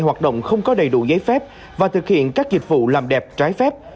hoạt động không có đầy đủ giấy phép và thực hiện các dịch vụ làm đẹp trái phép